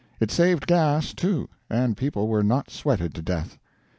It saved gas, too, and people were not sweated to death.